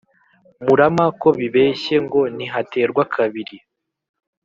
murama ko bibeshye ngo ntihaterwa kabiri,